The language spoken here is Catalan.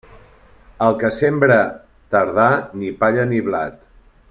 El que sembra tardà, ni palla ni blat.